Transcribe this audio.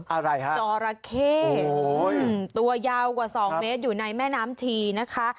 อะไรฮะจอราเข้ตัวยาวกว่า๒เมตรอยู่ในแม่น้ำชีนะคะ